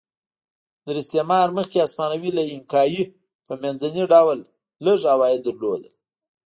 تر استعمار مخکې هسپانوي له اینکایي په منځني ډول لږ عواید لرل.